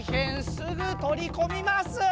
すぐとりこみます！